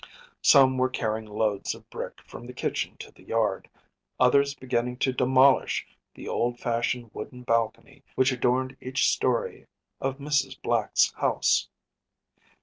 Some were carrying loads of brick from the kitchen to the yard, others beginning to demolish the old fashioned wooden balcony which adorned each story of Mrs. Black’s house.